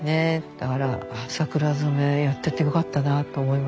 だから桜染めやっててよかったなと思います。